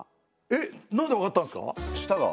えっ何で分かったんすか？